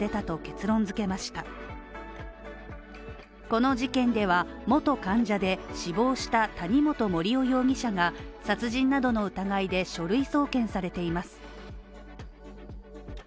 この事件では、元患者で死亡した谷本盛雄容疑者が殺人などの疑いで書類送検されています。